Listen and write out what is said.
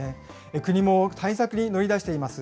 国も対策に乗り出しています。